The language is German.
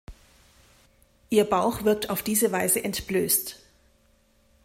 Ihr Bauch wirkt auf diese Weise entblößt.